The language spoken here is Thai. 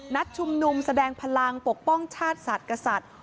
ชุมนุมแสดงพลังปกป้องชาติศาสตร์กษัตริย์